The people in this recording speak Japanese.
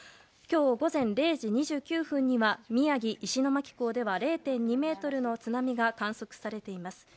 今日午前０時２９分には宮城・石巻港では０．２ｍの津波が観測されています。